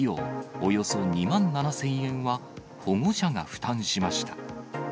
およそ２万７０００円は保護者が負担しました。